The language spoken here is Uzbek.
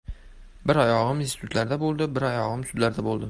Bir oyog‘im institutda bo‘ldi, bir oyog‘im sudlarda bo‘ldi.